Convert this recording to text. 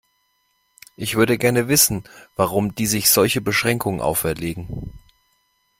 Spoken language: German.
Ich würde gerne wissen, warum die sich solche Beschränkungen auferlegen.